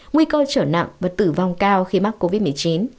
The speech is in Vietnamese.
nguy cơ trở nặng và tử vong cao khi mắc covid một mươi chín